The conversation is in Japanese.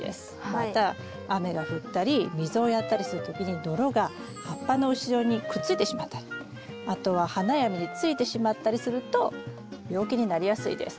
また雨が降ったり水をやったりする時に泥が葉っぱの後ろにくっついてしまったりあとは花や実についてしまったりすると病気になりやすいです。